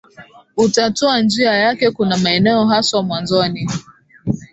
utatoa njia yake Kuna maeneo haswa mwanzoni